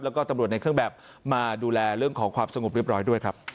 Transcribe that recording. แล้วก็ตำรวจในเครื่องแบบมาดูแลเรื่องของความสงบเรียบร้อยด้วยครับ